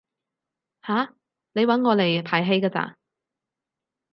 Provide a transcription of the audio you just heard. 吓？你搵我嚟排戲㗎咋？